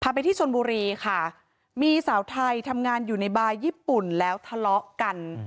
ไปที่ชนบุรีค่ะมีสาวไทยทำงานอยู่ในบาร์ญี่ปุ่นแล้วทะเลาะกัน